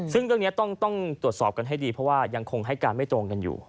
ซึ่งเรื่องนี้ต้องตรวจสอบกันให้ดีเพราะว่ายังคงให้การไม่ตรงกันอยู่